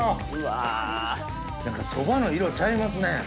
何かそばの色ちゃいますね。